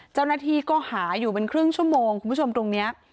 เจ้าหน้าที่ก็หาอยู่เป็นครึ่งชั่วโมงคุณผู้ชมตรงนี้